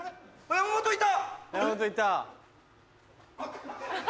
山本いた。